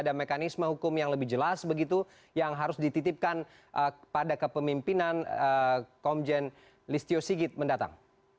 ada mekanisme hukum yang lebih jelas begitu yang harus dititipkan pada kepemimpinan komjen listio sigit mendatang